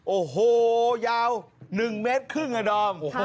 โอ้โหยาว๑๕เมตรครับดอม